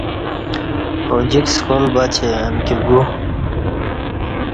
اوجِک سکال بہ چہ امکی گو